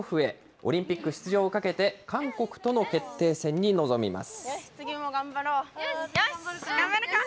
オリンピック出場をかけて、韓国との決定戦に臨みます。